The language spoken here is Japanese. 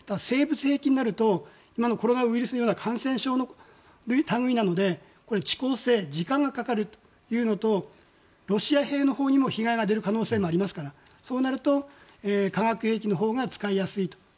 生物兵器になるとコロナウイルスのような感染症の類いなので遅効性時間がかかるというのとロシア兵にも被害が出る可能性がありますからそうなると、化学兵器のほうが使いやすいと。